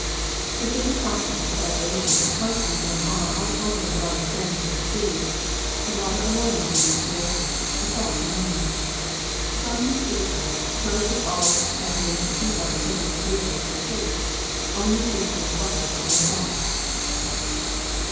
*^The same process of evaporation is constantly going on over all the broad expanse of the sea : the water alone is reduced to vapor, the salt remains. From this vapor, purged of all that made the sea water so disagreeable to the taste, only tasteless water can result.